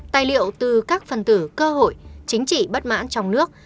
tài liệu từ các phần tử cơ hội chính trị bất mãn trong nước